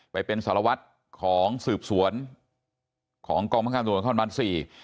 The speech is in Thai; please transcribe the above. ไปเป็นสารวัฒน์ของสืบสวนของกองประกันตำรวจท่านบัตร๔